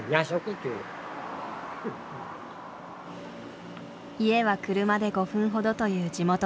家は車で５分ほどという地元の男性。